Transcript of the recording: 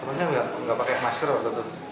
temannya nggak pakai masker waktu itu